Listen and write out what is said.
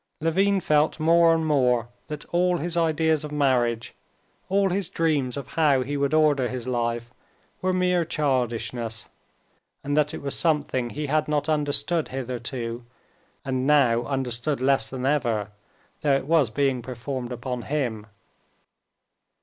Levin felt more and more that all his ideas of marriage, all his dreams of how he would order his life, were mere childishness, and that it was something he had not understood hitherto, and now understood less than ever, though it was being performed upon him.